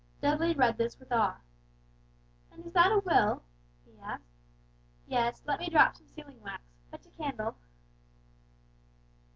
Dudley read this with awe. "And is that a will?" he asked. "Yes, let me drop some sealing wax; fetch a candle!"